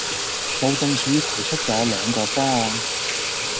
路政署提出咗兩個方案